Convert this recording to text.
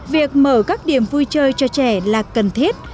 việc mở các điểm vui chơi cho trẻ là cần thiết